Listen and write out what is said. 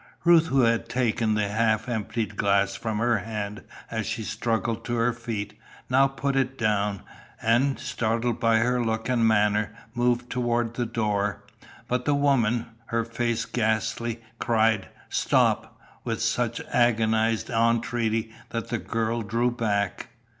Ruth, who had taken the half emptied glass from her hand as she struggled to her feet, now put it down, and, startled by her look and manner, moved toward the door, but the woman, her face ghastly, cried "Stop!" with such agonised entreaty that the girl drew back.